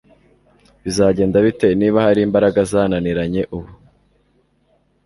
bizagenda bite niba hari imbaraga zananiranye ubu